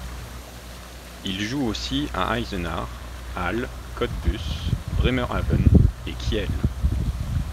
Il joue aussi à Eisenach, Halle, Cottbus, Bremerhaven et Kiel.